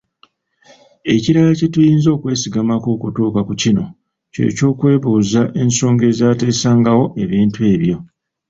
Ekirala kye tuyinza okwesigamako okutuuka ku kino ky’okyokwebuuza ensonga ezateesangawo ebintu ebyo